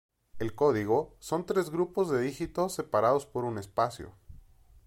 El código son tres grupos de dígitos separados por un espacio.